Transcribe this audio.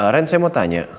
ren saya mau tanya